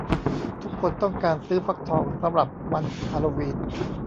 ทุกคนต้องการซื้อฟักทองสำหรับวันฮาโลวีน